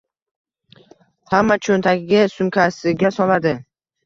hamma cho’ntagiga, sumkasiga soladi..